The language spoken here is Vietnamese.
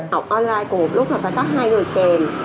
học online cùng một lúc là phải tắt hai người kèm